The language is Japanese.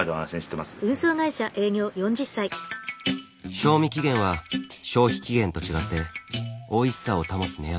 賞味期限は消費期限と違っておいしさを保つ目安。